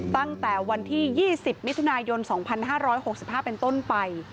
ตั้งแต่วันที่๒๐มิถุนายน๒๕๖๕เป็นต้นไป